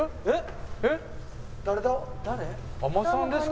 えっ！？